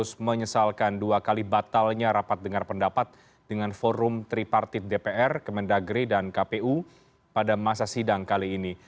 agus menyesalkan dua kali batalnya rapat dengar pendapat dengan forum tripartit dpr kemendagri dan kpu pada masa sidang kali ini